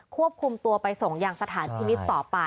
ควบคุมตัวไปส่งอย่างสถานพินิษฐ์ต่อไป